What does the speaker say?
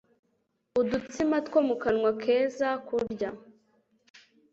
Udutsima two mu kanwa keza kurya